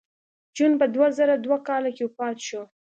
جون په دوه زره دوه کال کې وفات شو